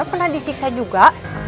pernah disiksa juga